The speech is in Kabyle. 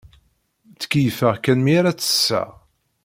Ttkeyyifeɣ kan mi ara ttesseɣ.